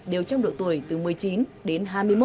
đều trong độ tuổi từ một mươi chín đến hai mươi một